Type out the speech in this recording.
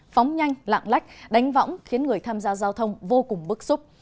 phóng nhanh lạng lách đánh võng khiến người tham gia giao thông vô cùng bức xúc